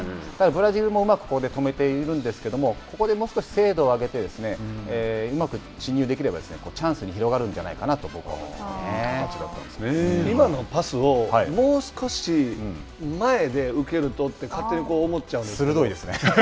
ブラジルも、うまく止めているんですけれどもここでもう少し精度を上げてうまく進入できればチャンスに広がるんじゃないかなと今のパスをもう少し前で受けるとって勝手に思っちゃうんですけれども。